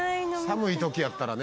寒い時やったらね。